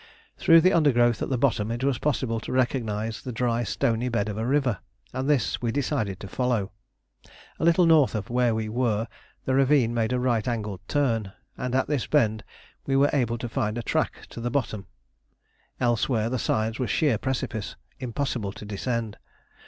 Through the undergrowth at the bottom it was possible to recognise the dry stony bed of a river, and this we decided to follow. A little north of where we were the ravine made a right angled turn, and at this bend we were able to find a track to the bottom. Elsewhere the sides were sheer precipice, impossible to descend.